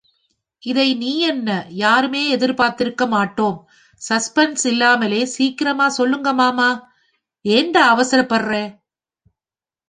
இதை நீ என்ன யாருமே எதிர்பார்த்திருக்க மாட்டோம்! சஸ்பென்ஸ் இல்லாமே சீக்கிரமா சொல்லுங்கள் மாமா! ஏண்டா அவசரப்படறே!